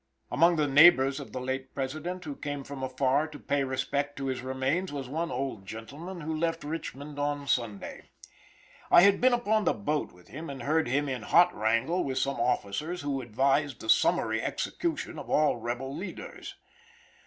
Among the neighbors of the late President, who came from afar to pay respect to his remains, was one old gentleman who left Richmond on Sunday. I had been upon the boat with him and heard him in hot wrangle with some officers who advised the summary execution of all rebel leaders.